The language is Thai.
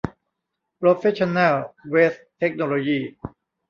โปรเฟสชั่นแนล เวสต์ เทคโนโลยี